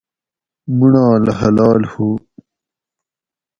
مُڑال حلال ھو